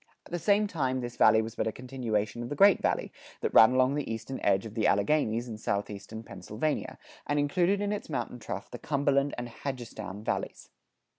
At the same time this valley was but a continuation of the Great Valley, that ran along the eastern edge of the Alleghanies in southeastern Pennsylvania, and included in its mountain trough the Cumberland and Hagerstown valleys.